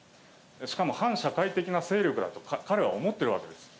しかも反社会的な勢力だと彼は思っているわけです。